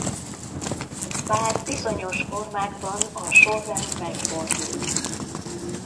Bár bizonyos formákban a sorrend megfordul.